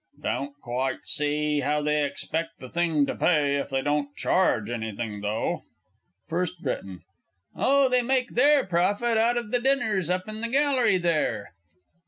Don't quite see how they expect the thing to pay if they don't charge anything, though. FIRST B. Oh, they make their profit out of the dinners up in the gallery there.